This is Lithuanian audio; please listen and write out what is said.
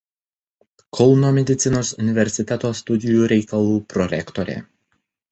Kauno medicinos universiteto studijų reikalų prorektorė.